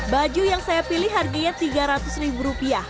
baju yang saya pilih harganya tiga ratus rupiah